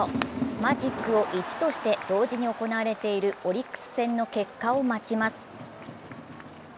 マジックを１として、同時に行われているオリックス戦の結果を待ちます。